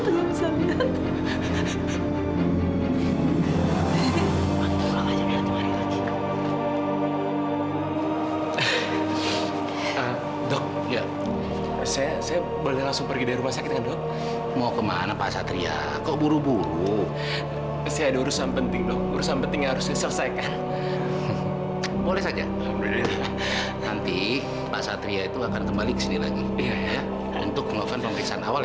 terima kasih tuhan